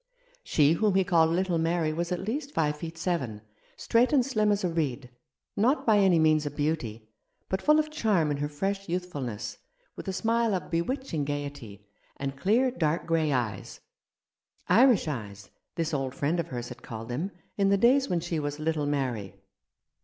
She whom he called little Mary was at least five feet seven, straight and slim as a reed, not by any means a beauty, but full of charm in her fresh youthfulness, with a smile of bewitching gaiety, and clear, dark grey eyes ; Irish eyes, this old friend of hers had called them, in the days when she was little Mary.